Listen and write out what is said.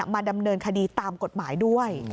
มาดำเนินคดีตามกฎหมายด้วย